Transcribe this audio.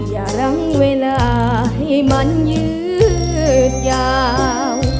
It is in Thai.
อย่ารังเวลาให้มันยืดยาว